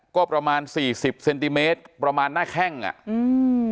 ก็ประมาณสี่สิบเซนติเมตรประมาณหน้าแข้งอ่ะอืม